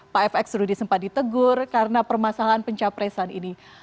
pak fx sudah disempat ditegur karena permasalahan pencapresan ini